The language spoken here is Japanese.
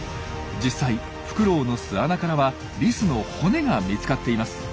実際フクロウの巣穴からはリスの骨が見つかっています。